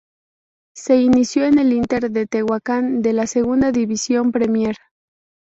Se inició en el Inter de Tehuacán, de la Segunda División Premier.